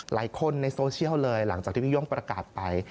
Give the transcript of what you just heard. หลายคนในโซเชียลเลยหลังจากที่พี่โย่งประกาศไป